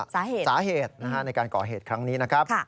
สาเหตุสาเหตุในการก่อเหตุครั้งนี้นะครับ